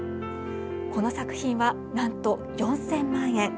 この作品はなんと４０００万円。